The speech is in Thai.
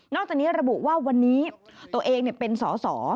จากนี้ระบุว่าวันนี้ตัวเองเป็นสอสอ